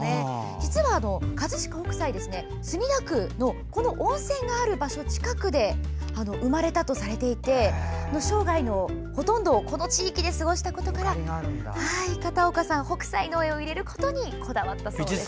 実は葛飾北斎は、墨田区のこの温泉がある場所近くで生まれたとされていて生涯のほとんどをこの地域で過ごしたことから片岡さんは北斎の絵を入れることにこだわったそうです。